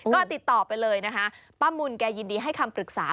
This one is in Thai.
ก็ติดต่อไปเลยนะคะป้ามุนแกยินดีให้คำปรึกษา